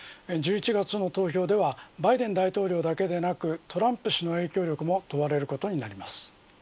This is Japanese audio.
１１月の投票ではバイデン大統領だけでなくトランプ氏の影響力も問われることになります。